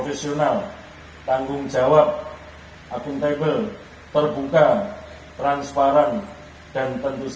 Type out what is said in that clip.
sebagai tanggung jawab asak tanggung jawab dan aplikasi